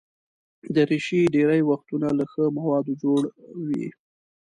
دریشي ډېری وختونه له ښه موادو جوړه وي.